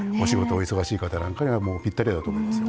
お忙しい方なんかにはぴったりですよ。